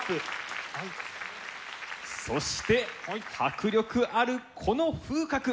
そして迫力あるこの風格！